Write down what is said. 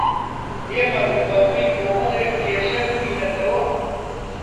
ئێمە ڕووبەڕووی کۆمەڵێک کێشە بووینەتەوە.